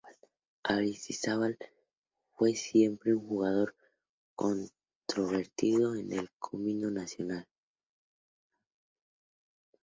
Aristizábal fue siempre un jugador controvertido en el combinado nacional.